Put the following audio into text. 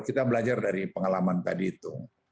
kita belajar dari pengalaman tadi itu